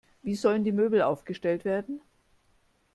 Wie sollen die Möbel aufgestellt werden?